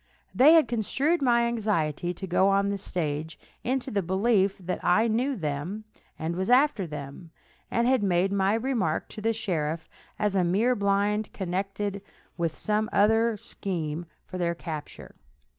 They had construed my anxiety to go on the stage into the belief that I knew them, and was after them, and had made my remark to the sheriff as a mere blind connected with some other scheme for their capture.